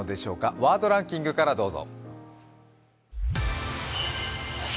「ワードデイリーランキング」からどうぞ。